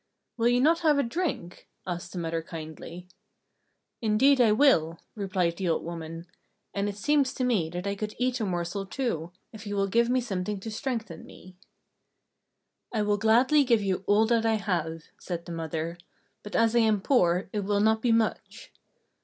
"Will you not have a drink?" asked the mother kindly. "Indeed, I will," replied the old woman. "And it seems to me that I could eat a morsel, too, if you will give me something to strengthen me." "I will gladly give you all that I have," said the mother, "but as I am poor, it will not be much."